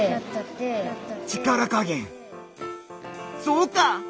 そうか！